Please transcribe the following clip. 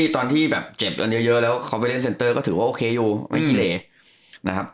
ตอนที่เจ็บเยอะแล้วคอมเฟรีเรนส์เซนเตอร์ก็ถือว่าโอเคอยู่ไม่เคละ